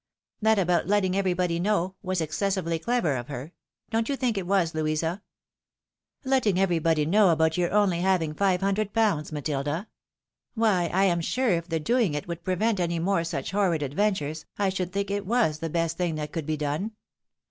That about letting everybody know, was excessively clever of her. Don't you think it was, Louisa ?"" Letting everybody know about your only having five hun dred pounds, MatUda ? Why I am sure if the douig it would prevent any more such horrid adventures, I should think it was the best thing that could be done.